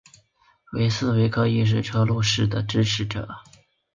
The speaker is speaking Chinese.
威斯维克亦是车路士的支持者。